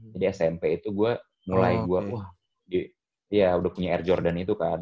jadi smp itu gue mulai gue wah ya udah punya air jordan itu kan